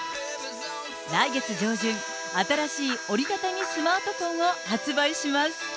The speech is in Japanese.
来月上旬、新しい折り畳みスマートフォンを発売します。